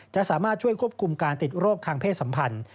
จะสามารถช่วยควบคุมการติดโรคทางเพศสัมพันธ์